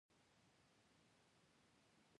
مېوې د افغانستان د ملي هویت یوه ډېره ښکاره نښه ده.